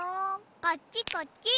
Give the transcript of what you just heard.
こっちこっち。